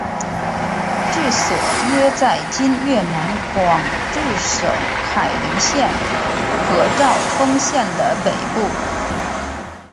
治所约在今越南广治省海陵县和肇丰县的北部。